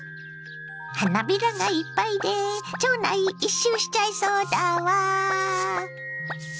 花びらがいっぱいで町内一周しちゃいそうだわ。